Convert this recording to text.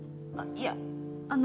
いやあの。